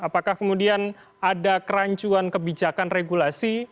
apakah kemudian ada kerancuan kebijakan regulasi